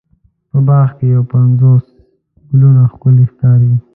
په باغ کې یو پنځوس ګلونه ښکلې ښکاري.